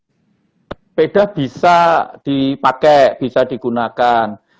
sepeda bisa dipakai bisa digunakan